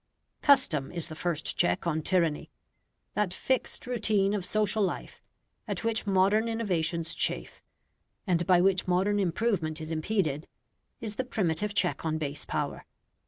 Custom is the first check on tyranny; that fixed routine of social life at which modern innovations chafe, and by which modern improvement is impeded, is the primitive check on base power.